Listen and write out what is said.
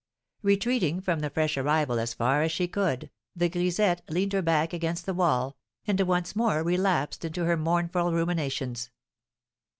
Retreating from the fresh arrival as far as she could, the grisette leaned her back against the wall, and once more relapsed into her mournful ruminations.